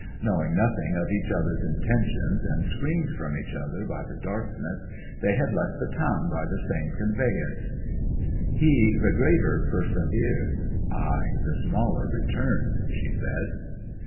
Knowing nothing of each other's intentions, and screened from each other by the darkness, they had left the town by the same conveyance. "He, the greater, persevered; I, the smaller, returned!" she said.